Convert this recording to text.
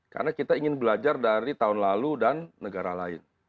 karena kita ingin belajar dari tahun lalu dan negara lain